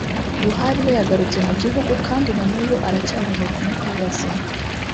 Buhari we yagarutse mu gihugu kandi na n’ubu aracyahumeka umwuka w’abazima